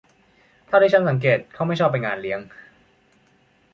เท่าที่ฉันสังเกตเขาไม่ชอบไปงานเลี้ยง